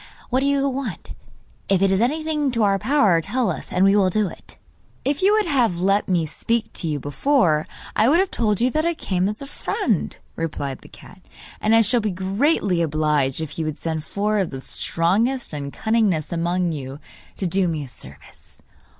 What do you want? If it is anything in our power, tell us, and we will do it.' 'If you would have let me speak to you before, I would have told you that I come as a friend,' replied the cat; 'and I shall be greatly obliged if you would send four of the strongest and cunningest among you, to do me a service.